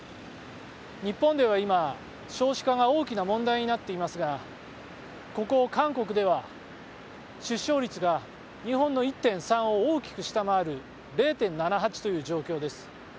日本では今、少子化が大きな問題になっていますがここ、韓国では出生率が日本の１．３を大きく下回る０．７８という状況です。